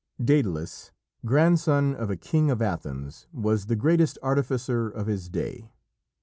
Dædalus, grandson of a king of Athens, was the greatest artificer of his day.